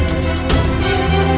tidak ada yang bisa dihukum